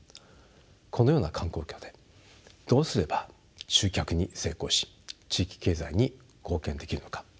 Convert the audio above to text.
このような環境下でどうすれば集客に成功し地域経済に貢献できるのか。